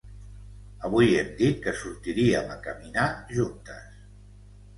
Avui hem dit que sortiríem a caminar juntes.